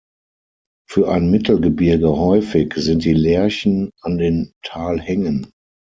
Für ein Mittelgebirge häufig sind die Lärchen an den Talhängen.